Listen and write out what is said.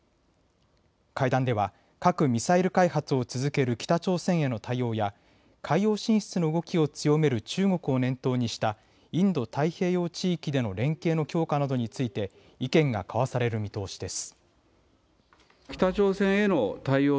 会談では核・ミサイル開発を続ける北朝鮮への対応や海洋進出の動きを強める中国を念頭にしたインド太平洋地域での連携の強化などについて意見が交わされる見通しです。